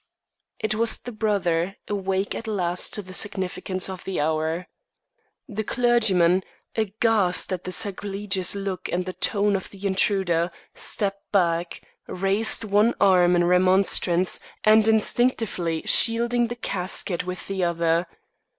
It was the brother, awake at last to the significance of the hour! The clergyman, aghast at the sacrilegious look and tone of the intruder, stepped back, raising one arm in remonstrance, and instinctively shielding the casket with the other.